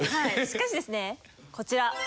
しかしですねこちら。